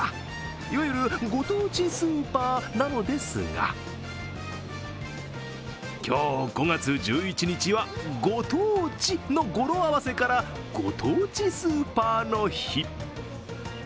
いわゆるご当地スーパーなのですが今日、５月１１日はご当地の語呂合わせからご当地スーパーの日。